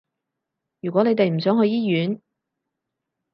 如果你哋唔想去醫院